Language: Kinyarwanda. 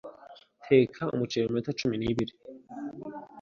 Teka umuceri mu minota cumi nibiri